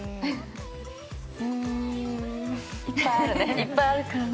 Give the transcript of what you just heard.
いっぱいあるね。